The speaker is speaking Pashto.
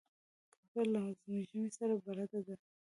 کوتره له ژمي سره بلد ده.